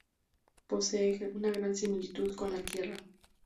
Posee una gran similitud con la Tierra.